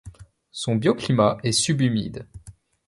Son bio-climat est sub-humide.